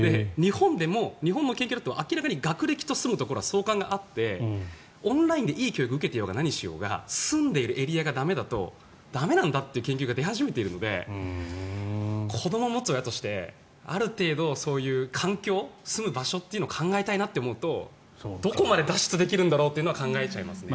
日本の研究だと明らかに学歴と住むところは相関があってオンラインでいい教育を受けていようが住んでいるエリアが駄目だと駄目なんだという研究が出始めているので子どもを持つ親としてある程度、そういう環境住む場所というのは考えたいなと思うとどこまで脱出できるんだろうとは考えちゃいますね。